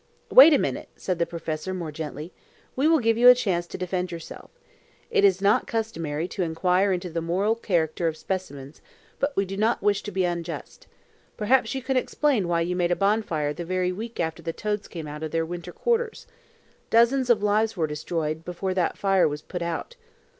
"Wait a minute," said the professor, more gently. "We will give you a chance to defend yourself. It is not customary to inquire into the moral character of specimens, but we do not wish to be unjust. Perhaps you can explain why you made a bonfire the very week after the toads came out of their winter quarters. Dozens of lives were destroyed before that fire was put out."